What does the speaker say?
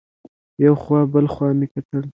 یو خوا بل خوا مې وکتل.